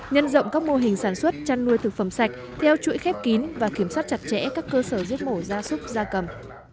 nhân rộng các mô hình sản xuất chăn nuôi thực phẩm sạch theo chuỗi khép kín và kiểm soát chặt chẽ các cơ sở giết mổ da súc da cầm